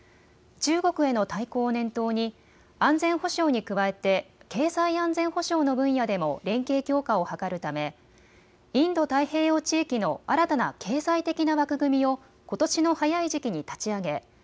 中国への対抗を念頭に安全保障に加えて経済安全保障の分野でも連携強化を図るためインド太平洋地域の新たな経済的な枠組みをことしの早い時期に立ち上げ